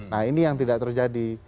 nah ini yang tidak terjadi